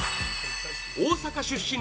大阪出身